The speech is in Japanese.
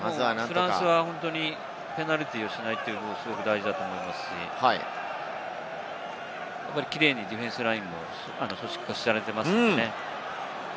フランスはペナルティーをしないというのはすごく大事だと思いますし、キレイにディフェンスラインを組織化されていますよね。